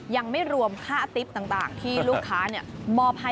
ยังไม่รวมค่าติ๊บต่างที่ลูกค้ามอบให้